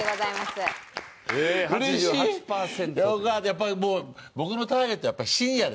やっぱりもう僕のターゲットシニアですね。